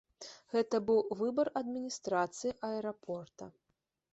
Гэта быў выбар адміністрацыі аэрапорта.